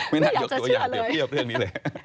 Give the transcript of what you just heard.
ไม่น่ายกตัวอย่างเดี๋ยวพี่เอาเรื่องนี้เลย